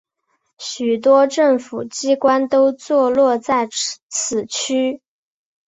许多政府机关都座落在此区。